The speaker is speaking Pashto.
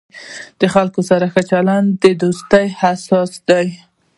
د خلکو سره ښه چلند، د دوستۍ اساس دی.